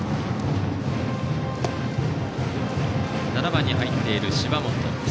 ７番に入っている芝本から。